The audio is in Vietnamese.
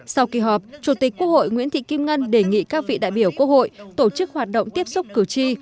sau kỳ họp chủ tịch quốc hội nguyễn thị kim ngân đề nghị các vị đại biểu quốc hội tổ chức hoạt động tiếp xúc cử tri